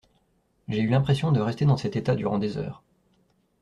J’ai eu l’impression de rester dans cet état durant des heures.